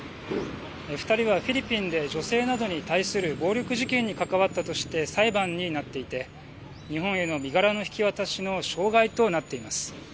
２人はフィリピンで女性などに対する暴力事件に関わったとして裁判になっていて、日本への身柄の引き渡しの障害となっています。